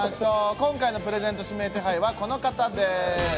今回のプレゼント指名手配はこの方です。